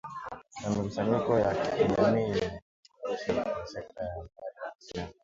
na mikusanyiko ya kijamii na kuimarishwa kwa sekta ya habari na mawasiliano